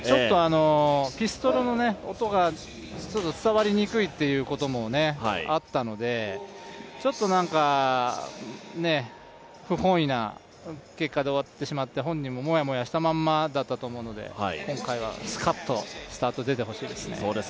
ピストルの音が伝わりにくいということもあったので、ちょっとなんか、不本意な結果で終わってしまって本人もモヤモヤしたままだったと思うので今回はスカッとスタート出てほしいですね。